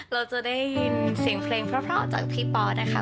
เราจะได้ยินเสียงเพลงเพราะจากพี่ปอนะคะ